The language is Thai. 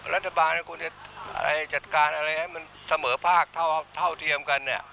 รัฐบาลควรจะจัดการอะไรให้มันเสมอภาคเท่าเทียมกัน